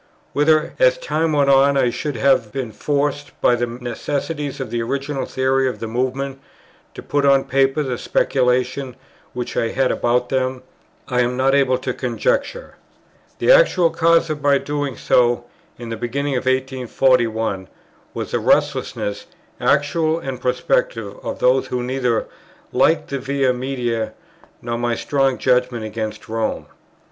Whether, as time went on, I should have been forced, by the necessities of the original theory of the Movement, to put on paper the speculations which I had about them, I am not able to conjecture. The actual cause of my doing so, in the beginning of 1841, was the restlessness, actual and prospective, of those who neither liked the Via Media, nor my strong judgment against Rome.